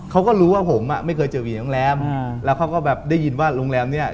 เขาก็รู้ว่าผมไม่เคยเจอผีในโรงแรมแล้วเขาก็ได้ยินว่าโรงแรมนี้